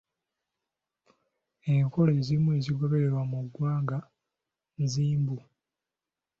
Enkola ezimu ezigobererwa mu ggwanga nzimbu.